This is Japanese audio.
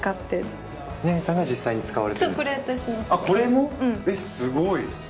これも⁉えっすごい。